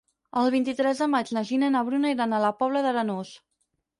El vint-i-tres de maig na Gina i na Bruna iran a la Pobla d'Arenós.